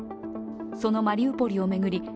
そのマリウポリを巡り